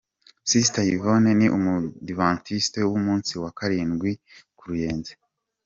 Sister Yvonne ni umudivantiste w'umunsi wa karindwi ku Ruyenzi.